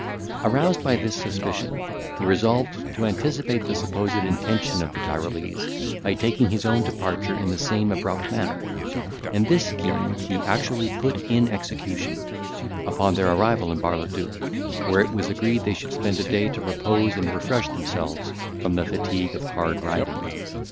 Aroused by this suspicion, he resolved to anticipate the supposed intention of the Tyrolese, by taking his own departure in the same abrupt manner; and this scheme he actually put in execution, upon their arrival in Bar le duc, where it was agreed they should spend a day to repose and refresh themselves from the fatigue of hard riding.